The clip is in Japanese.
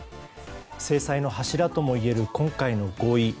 制裁の柱ともいえる今回の合意。